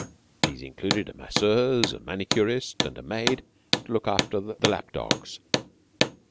These included a masseuse, a manicurist, and a maid to look after the lapdogs.